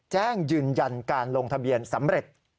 แจ้งยืนยันการลงทะเบียนสำเร็จ